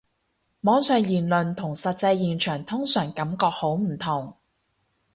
網上言論同實際現場通常感覺好唔同